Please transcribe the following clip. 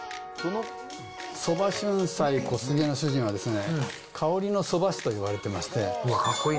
蕎麦旬菜こすげの主人は、香りのそば師といわれてまして。